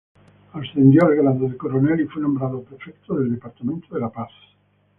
Ascendió al grado de coronel y fue nombrado Prefecto del departamento de La Paz.